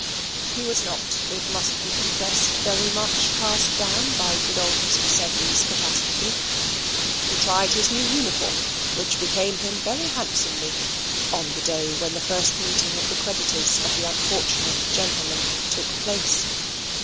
He was not, it must be confessed, very much cast down by good old Mr. Sedley's catastrophe. He tried his new uniform, which became him very handsomely, on the day when the first meeting of the creditors of the unfortunate gentleman took place.